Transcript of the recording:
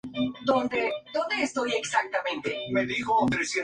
Posee jardines, iglesia, escuela, biblioteca, centro de salud y piscina municipal.